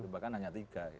bahkan hanya tiga